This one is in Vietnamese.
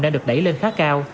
đang được đẩy lên khá cao